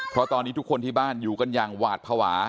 เพราะตอนนี้ทุกคนที่บ้านอยู่กันอย่างหวาดภาวะ